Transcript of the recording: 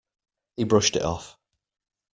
He brushed it off.